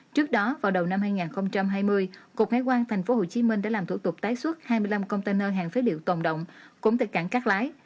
trước đó vào đầu năm hai nghìn hai mươi cục hải quan tp hcm đã làm thủ tục tái xuất hai mươi năm container hàng phế liệu tồn động cũng tại cảng cát lái